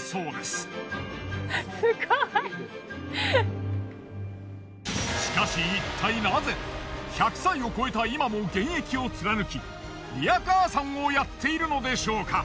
すごい！しかしいったいナゼ１００歳を超えた今も現役を貫きリヤカーさんをやっているのでしょうか？